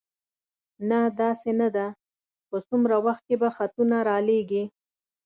نه، داسې نه ده، په څومره وخت کې به خطونه را لېږې؟